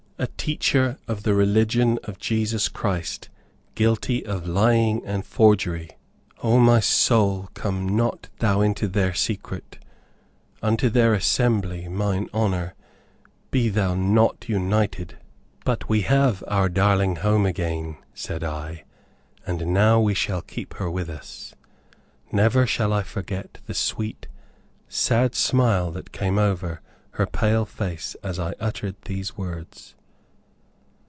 A teacher of the religion of Jesus Christ guilty of lying and forgery! 'O, my soul come not thou into their secret; unto their assembly mine honor be thou not united.'" "But we have our darling home again," said I, "and now we shall keep her with us." Never shall I forget the sweet, sad smile that came over her pale face as I uttered these words.